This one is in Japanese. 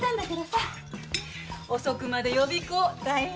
遅くまで予備校大変ねぇ。